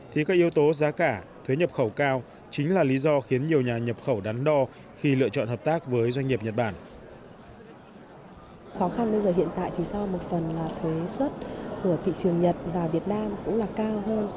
thì các yếu tố giá cả thuế nhập khẩu cao chính là lý do khiến nhiều nhà nhập khẩu đắn đo khi lựa chọn hợp tác với doanh nghiệp nhật bản